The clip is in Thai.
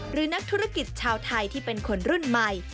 หรือนักธุรกิจชาวไทยที่เป็นคนรุ่นใหม่